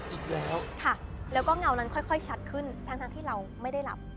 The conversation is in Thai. อีกแล้วค่ะแล้วก็เงานั้นค่อยชัดขึ้นทั้งที่เราไม่ได้หลับ